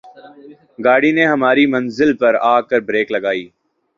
گاڑی نے ہماری منزل پر آ کر بریک لگائی